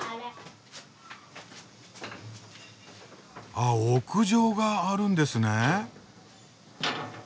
あ屋上があるんですね。